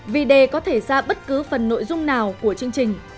vì đề có thể ra bất cứ phần nội dung nào của chương trình